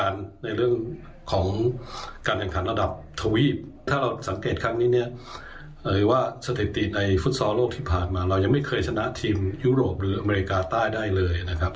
เรายังไม่เคยชนะทีมยุโรปหรืออเมริกาใต้ได้เลยนะครับ